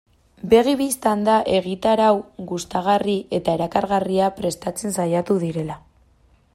Begi bistan da egitarau gustagarri eta erakargarria prestatzen saiatu direla.